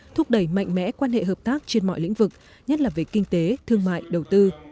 thúc đẩy mạnh mẽ quan hệ hợp tác trên mọi lĩnh vực nhất là về kinh tế thương mại đầu tư